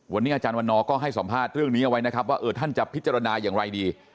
วันนี้อาจารย์วันนอร์ก็ให้สัมภาษณ์เรื่องนี้เอาไว้นะครับว่าท่านจะพิจารณาอย่างไรดี